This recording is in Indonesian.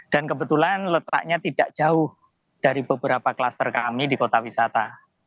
dan kebetulan letaknya tidak jauh dari beberapa klaster kami di kota wisata